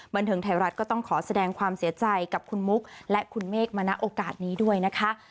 บันเทิงไทยรัฐก็ต้องขอแสดงความเสียใจกับคุณมุกและคุณเมฆมาณโอกาสนี้ด้วยนะคะ